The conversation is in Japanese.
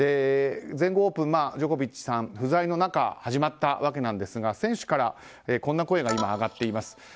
全豪オープンジョコビッチさん不在の中始まったわけなんですが選手からこんな声が今、上がっています。